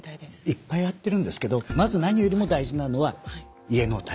いっぱいやってるんですけどまず何よりも大事なのは家の耐震化。